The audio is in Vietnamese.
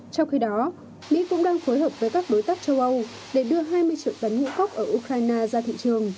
trong khi đó mỹ cũng đang phối hợp với các đối tác châu âu để đưa hai mươi triệu tấn ngũ cốc ở ukraine ra thị trường